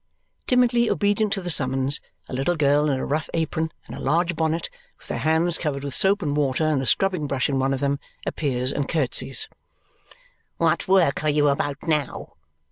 Timidly obedient to the summons, a little girl in a rough apron and a large bonnet, with her hands covered with soap and water and a scrubbing brush in one of them, appears, and curtsys. "What work are you about now?"